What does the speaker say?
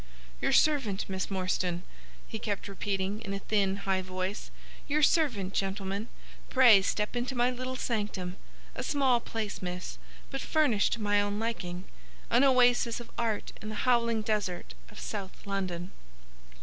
"Your servant, Miss Morstan," he kept repeating, in a thin, high voice. "Your servant, gentlemen. Pray step into my little sanctum. A small place, miss, but furnished to my own liking. An oasis of art in the howling desert of South London."